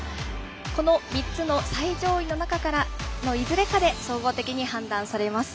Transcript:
この３つの最上位の中からのいずれかで総合的に判断されます。